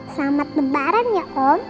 selamat bebaran ya om